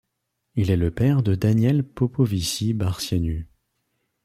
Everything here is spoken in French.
Il est le père de Daniel Popovici Barcianu.